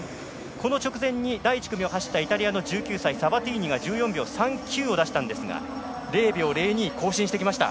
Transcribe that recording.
この直前、第１組を走ったイタリアの１９歳サバティーニが１４秒３９を出したんですが０秒０２更新してきました。